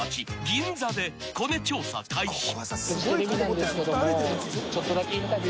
銀座でコネ調査開始］